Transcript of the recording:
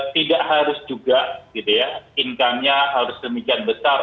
tidak harus juga income nya harus sedemikian besar